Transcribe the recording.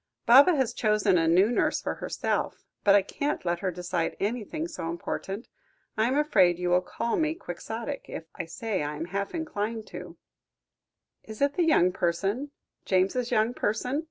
"Baba has chosen a new nurse for herself, but I can't let her decide anything so important; I am afraid you will call me quixotic if I say I am half inclined to "Is it the young person James's young person?"